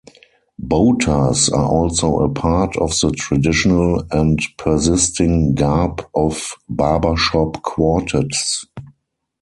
Boaters are also a part of the traditional and persisting garb of barbershop quartets.